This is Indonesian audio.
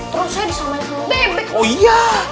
terus saya bisa mati dulu